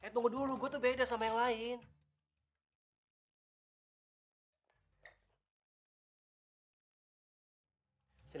tunggu dulu aku tidak sama dengan orang lain